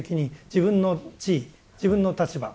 自分の地位自分の立場